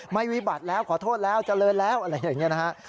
วิบัติแล้วขอโทษแล้วเจริญแล้วอะไรอย่างนี้นะฮะ